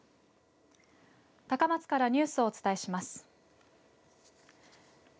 高松からニュースをお伝えします。